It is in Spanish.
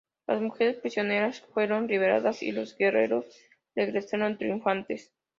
Las mujeres prisioneras fueron liberadas y los guerreros regresaron triunfantes.